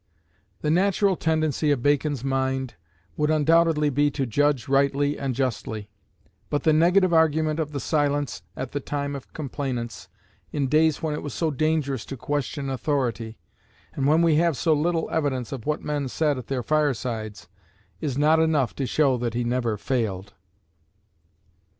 The natural tendency of Bacon's mind would undoubtedly be to judge rightly and justly; but the negative argument of the silence at the time of complainants, in days when it was so dangerous to question authority, and when we have so little evidence of what men said at their firesides, is not enough to show that he never failed.